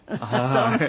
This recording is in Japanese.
そうね。